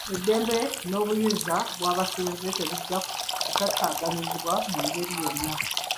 Eddembe n'obuyinza bw'abasenze tebujja kutaataaganyizibwa mu ngeri yonna.